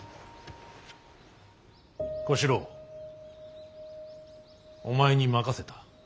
小四郎お前に任せた。